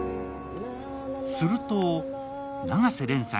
すると永瀬廉さん